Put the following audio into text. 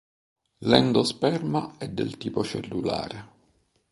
L'endosperma è del tipo cellulare.